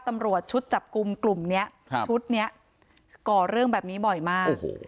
ตำรวจชุดจับกลุ่มกลุ่มนี้ชุดนี้ก่อเรื่องแบบนี้บ่อยมาก